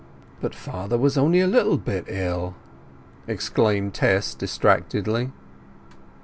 "But father was only a little bit ill!" exclaimed Tess distractedly.